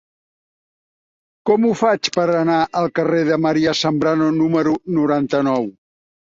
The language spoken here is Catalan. Com ho faig per anar al carrer de María Zambrano número noranta-nou?